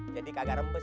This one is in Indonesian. jadi gagah rempes